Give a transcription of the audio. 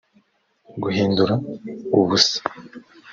guhindura ubusa